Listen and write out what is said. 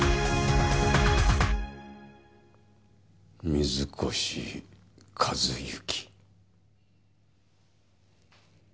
水越和行。